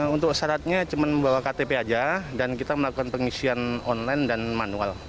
untuk syaratnya cuma membawa ktp aja dan kita melakukan pengisian online dan manual